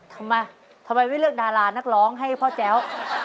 ทำไมทำไมไม่เลือกดารานักร้องให้พ่อแจ๊ว